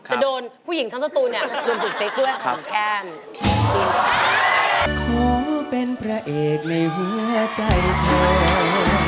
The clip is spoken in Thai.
จะโดนผู้หญิงทั้งสัตว์ตัวเนี่ยโดนผิดปลิ๊กด้วยของแก้ม